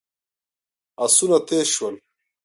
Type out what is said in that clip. آسونه تېز شول.